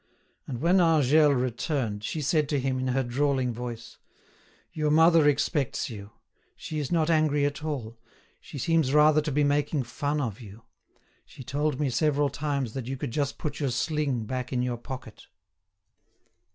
And when Angèle returned, she said to him, in her drawling voice: "Your mother expects you; she is not angry at all, she seems rather to be making fun of you. She told me several times that you could just put your sling back in your pocket."